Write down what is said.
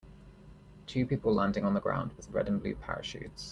Two people landing on the ground with red and blue parachutes.